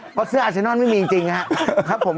เพราะเสื้ออัลซานอลไม่มีจริงครับครับผม